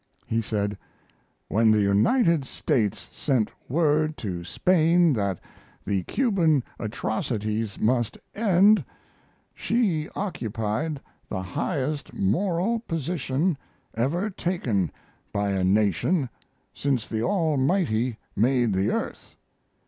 He said: "When the United States sent word to Spain that the Cuban atrocities must end she occupied the highest moral position ever taken by a nation since the Almighty made the earth.